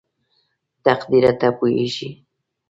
تقديره ته پوهېږې??